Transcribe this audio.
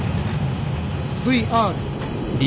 ＶＲ。